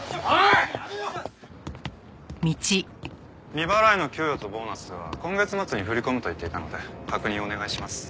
未払いの給与とボーナスは今月末に振り込むと言っていたので確認をお願いします。